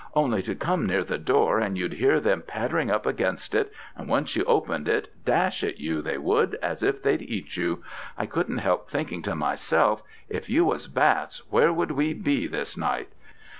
Only to come near the door and you'd hear them pattering up against it, and once you opened it, dash at you, they would, as if they'd eat you. I couldn't help thinking to myself, "If you was bats, where should we be this night?"